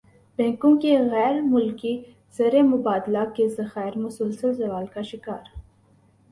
بینکوں کے غیرملکی زرمبادلہ کے ذخائر مسلسل زوال کا شکار